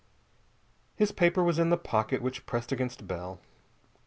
His paper was in the pocket which pressed against Bell.